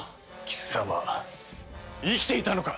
貴様生きていたのか！